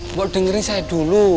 mau dengerin saya dulu